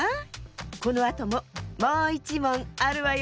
このあとももういちもんあるわよ。